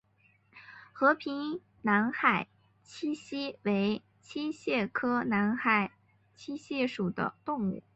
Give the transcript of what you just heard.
和平南海溪蟹为溪蟹科南海溪蟹属的动物。